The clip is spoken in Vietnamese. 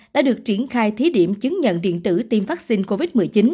đã được triển khai thí điểm chứng nhận điện tử tiêm vaccine